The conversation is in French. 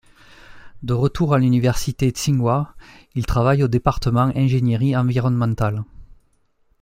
De retour à l'université Tsinghua, il travaille au département ingénierie environnementale.